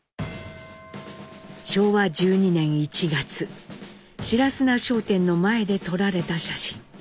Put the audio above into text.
昭和１２年１月白砂商店の前で撮られた写真。